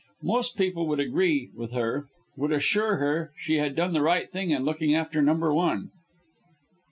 Most people would agree with her would assure her she had done the right thing in looking after number one.